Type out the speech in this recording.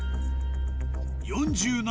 ４７